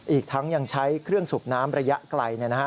อีกทั้งยังใช้เครื่องสูบน้ำระยะไกล